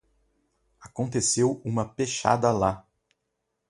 Aconteceu uma pechada lá